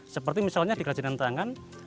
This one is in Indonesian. seperti misalnya di kerajinan tangan